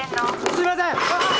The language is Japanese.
すいません！